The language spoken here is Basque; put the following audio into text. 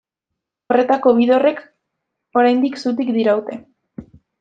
Horretako bi dorrek oraindik zutik diraute.